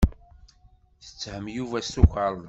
Tetthem Yuba s tukerḍa.